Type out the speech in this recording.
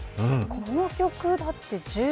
この曲だって１０